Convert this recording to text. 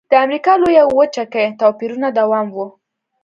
د امریکا لویه وچه کې د توپیرونو دوام و.